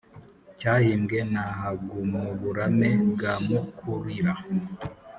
cyahimbwe na hagumuburame bwa mukurira